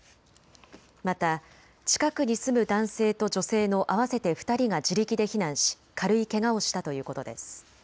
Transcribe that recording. また近くに住む男性と女性の合わせて２人が自力で避難し軽いけがをしたということです。